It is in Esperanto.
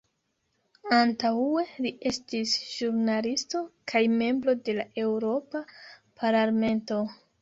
Antaŭe li estis ĵurnalisto kaj membro de la Eŭropa Parlamento.